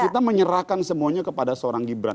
kita menyerahkan semuanya kepada seorang gibran